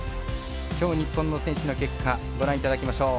きょう、日本の選手の結果ご覧いただきましょう。